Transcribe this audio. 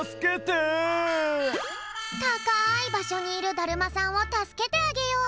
たかいばしょにいるだるまさんをたすけてあげよう！